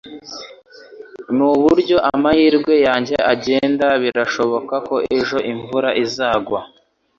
Nuburyo amahirwe yanjye agenda, birashoboka ko ejo imvura izagwa.